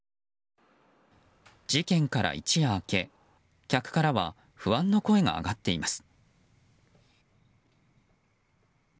事件から一夜明け、客からは不安の声が上がっています。